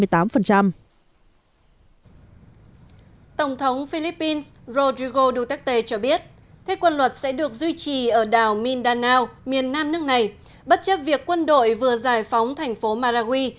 tổng thống philippines rodrigo duterte cho biết thiết quân luật sẽ được duy trì ở đảo mindanao miền nam nước này bất chấp việc quân đội vừa giải phóng thành phố maragui